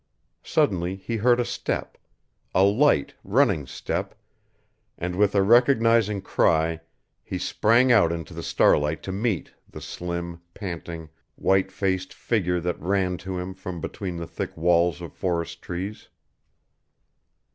Suddenly he heard a step, a light, running step, and with a recognizing cry he sprang out into the starlight to meet the slim, panting, white faced figure that ran to him from between the thick walls of forest trees.